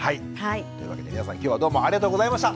というわけで皆さん今日はどうもありがとうございました。